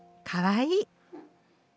かわいい。